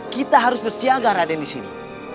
kita harus bersiaga raden disini